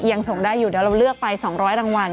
ยังส่งได้อยู่เดี๋ยวเราเลือกไป๒๐๐รางวัล